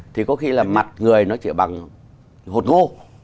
thì có khi là mặt người nó chỉ bằng hột ngô